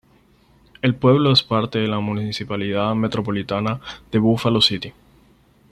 El pueblo es parte de la Municipalidad Metropolitana de Buffalo City.